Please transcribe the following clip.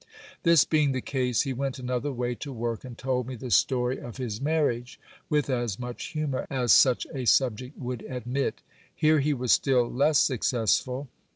This being the case, he went another way to work, and told me the story of his marriage, with as much humour as such a subject would admit. Here he was still less successful.